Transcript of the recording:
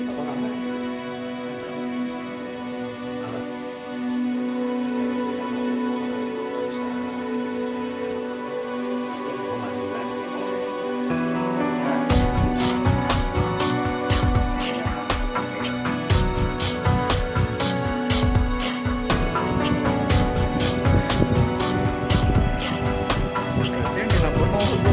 jangan kebanyakan jajan